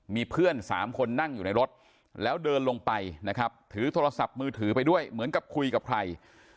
มีเพื่อน๓คนนั่งอยู่ในรถแล้วเดินลงไปนะครับถือโทรศัพท์มือถือไปด้วยเหมือนกับคุยกับใคร